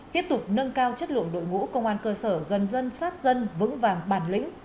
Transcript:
tiếp tục nâng cao chất lượng đội ngũ công an cơ sở gần dân sát dân vững vàng bản lĩnh